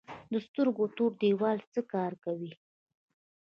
د سترګو تور دیوال څه کار کوي؟